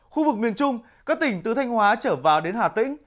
khu vực miền trung các tỉnh từ thanh hóa trở vào đến hà tĩnh